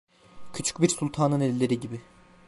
Küçük bir sultanın elleri gibi…